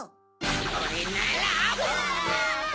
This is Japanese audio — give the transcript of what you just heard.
それなら。